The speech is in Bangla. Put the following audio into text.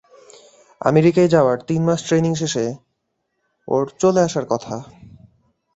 আমেরিকায় যাওয়ার তিন মাস ট্রেনিং শেষে ওর চলে আসার কথা।